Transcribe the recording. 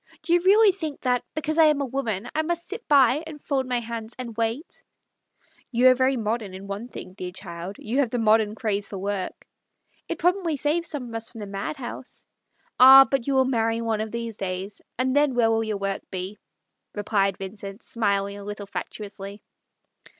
Do you really think that because I am a woman that I must sit by and fold my hands and wait ?" "You are very modern in one thing, dear / 76 THE STORY OF A MODERN WOMAN. child. You have the modern craze for work." "It probably saves some of us from the madhouse." " Ah, but you will marry one of these days, and then where will your work be ?" replied Vincent, smiling a little fatuously.